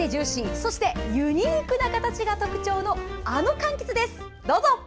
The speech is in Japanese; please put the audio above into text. そしてユニークな形が特徴のあのかんきつです。